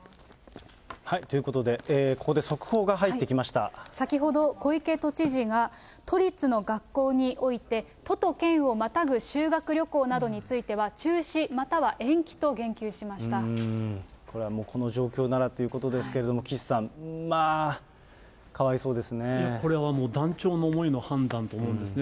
ということで、先ほど、小池都知事が、都立の学校において、都と県をまたぐ修学旅行などについては、中止または延期と言及しこれはもう、この状況ならということですけれども、岸さん、まあ、これはもう、断腸の思いの判断と思うんですね。